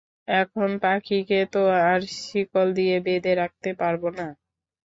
এখন পাখিকে তো আর শিকল দিয়ে বেঁধে রাখতে পারবো না।